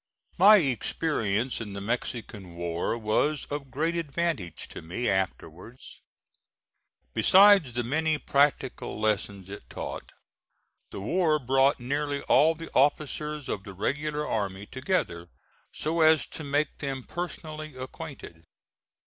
My experience in the Mexican war was of great advantage to me afterwards. Besides the many practical lessons it taught, the war brought nearly all the officers of the regular army together so as to make them personally acquainted.